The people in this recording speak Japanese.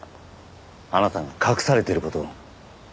あなたが隠されている事を。